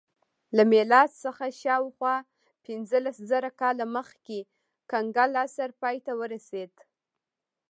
له میلاد څخه شاوخوا پنځلس زره کاله مخکې کنګل عصر پای ته ورسېد